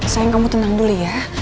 sayang kamu tenang dulu ya